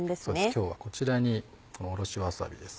今日はこちらにこのおろしわさびです。